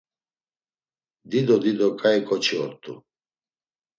Dido dido ǩai ǩoçi ort̆u.